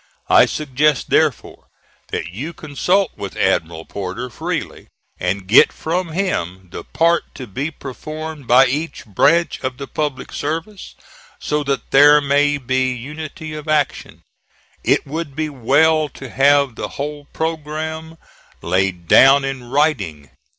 I suggest, therefore, that you consult with Admiral Porter freely, and get from him the part to be performed by each branch of the public service, so that there may be unity of action. It would be well to have the whole programme laid down in writing.